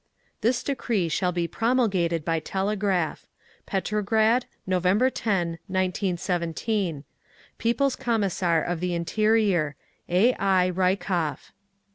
This decree shall be promulgated by telegraph. Petrograd, November 10, 1917. People's Commissar of the Interior A. I. RYKOV.